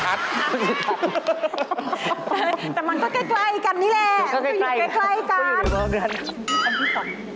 อันที่สอง